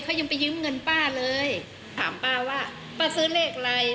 เขายังไปยืมเงินป้าเลยถามป้าว่าป้าซื้อเลขอะไร